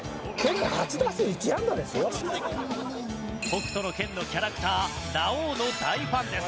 『北斗の拳』のキャラクターラオウの大ファンです。